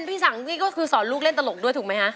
พี่สังนี่ก็คือสอนลูกเล่นตลกด้วยถูกไหมคะ